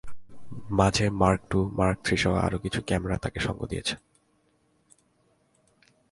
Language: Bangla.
মাঝে মার্ক টু, মার্ক থ্রিসহ আরও কিছু ক্যামেরা তাঁকে সঙ্গ দিয়েছে।